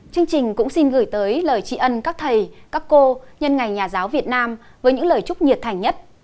chương trình cũng xin gửi tới lời trị ân các thầy các cô nhân ngày nhà giáo việt nam với những lời chúc nhiệt thành nhất